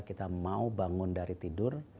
kita mau bangun dari tidur